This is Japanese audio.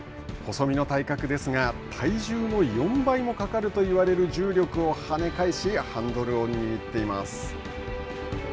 細身の体格ですが体重の４倍もかかると言われる重力をはね返しハンドルを握っています。